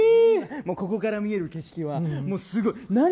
ここから見える景色は何？